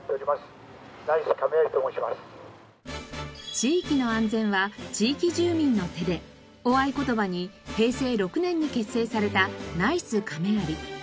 「地域の安全は地域住民の手で」を合言葉に平成６年に結成されたナイスかめあり。